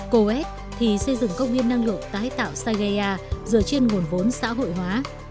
coed thì xây dựng công nghiên năng lượng tái tạo saigaya dựa trên nguồn vốn xã hội hóa